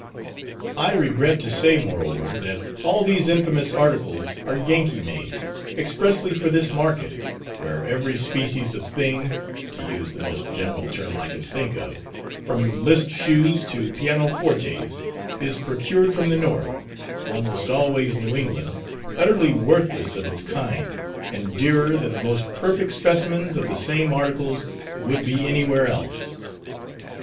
I regret to say, moreover, that all these infamous articles are Yankee made expressly for this market, where every species of thing (to use the most general term I can think of), from list shoes to pianofortes, is procured from the North almost always New England, utterly worthless of its kind, and dearer than the most perfect specimens of the same articles would be anywhere else.